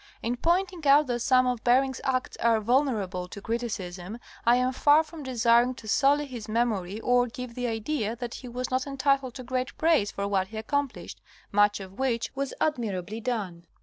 In pointing out that some of Bering's acts are vulnerable to criticism I am far from desiring to sully his memory or give the idea that he was not entitled to great praise for what he accom plished, much of which was admirably done.